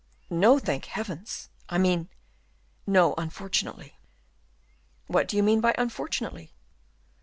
"No, thank heaven! I mean, no, unfortunately." "What do you mean by unfortunately?"